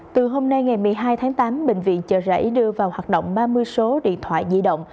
từ hôm nay ngày một mươi hai tháng tám bệnh viện chợ rẫy đưa vào hoạt động ba mươi số điện thoại di động